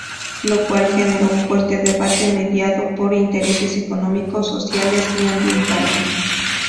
Lo cual, generó un fuerte debate mediado por intereses económicos, sociales y ambientales.